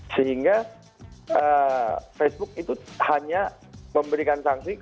sehingga facebook itu hanya memberikan sanksi